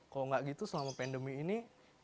kalau tidak selama pandemi ini